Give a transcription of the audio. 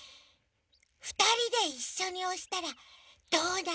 ふたりでいっしょにおしたらどうなるのかな？